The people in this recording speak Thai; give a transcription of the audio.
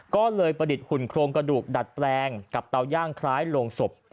ก็เลยประดิษฐ์หุ่นโครงกระดูกดัดแปลงกับเตาย่างคล้ายโรงศพ